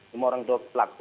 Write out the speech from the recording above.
rumah orang tua pelaku